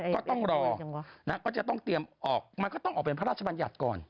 ก็ต้องรอก็จะต้องเตรียมออกมันก็ต้องออกเป็นพระราชบัญญัติก่อน